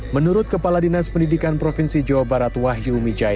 menurut kepala dinas pendidikan provinsi jawa barat wahyu